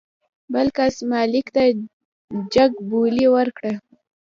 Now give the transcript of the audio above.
بل کس مالک ته جګ بولي ورکړه.